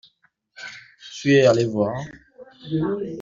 Tu es allé voir?